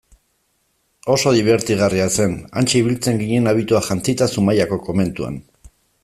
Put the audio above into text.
Oso dibertigarria zen, hantxe ibiltzen ginen abitua jantzita Zumaiako komentuan.